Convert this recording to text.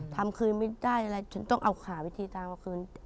ทำคืนไม่ได้เลยฉันต้องเอาขาวิธีตามว่าคืน